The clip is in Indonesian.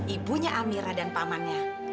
ibunya amira dan pamannya